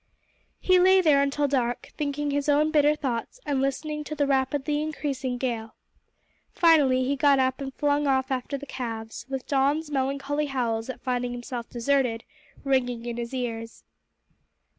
He lay there until dark, thinking his own bitter thoughts and listening to the rapidly increasing gale. Finally he got up and flung off after the calves, with Don's melancholy howls at finding himself deserted ringing in his ears.